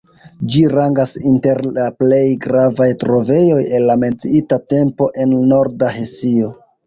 Ĝi rangas inter la plej gravaj trovejoj el la menciita tempo en Norda Hesio.